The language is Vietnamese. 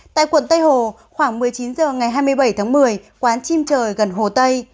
tại quận tây hồ khoảng một mươi chín h ngày hai mươi bảy tháng một mươi quán chim trời gần hồ tây